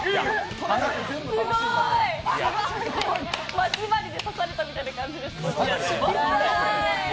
まち針で刺されたみたいな感じです。